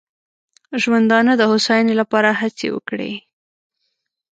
ژوندانه د هوساینې لپاره هڅې وکړي.